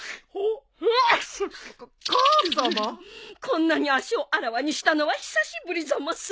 こんなに脚をあらわにしたのは久しぶりざます。